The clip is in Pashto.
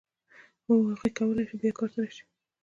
هو هغه کولای شي بیا کار ته راشي.